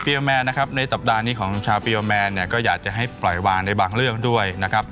แมนนะครับในสัปดาห์นี้ของชาวปีโอแมนเนี่ยก็อยากจะให้ปล่อยวางในบางเรื่องด้วยนะครับ